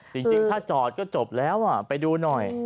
จริงถ้าจอดก็จบแล้วไปดูหน่อย